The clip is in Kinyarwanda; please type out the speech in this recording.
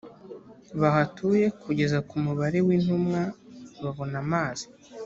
bahatuye kugeza ku mubare w intumwa babona amazi